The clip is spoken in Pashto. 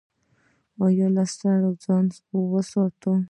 ایا له سړو ځان وساتم؟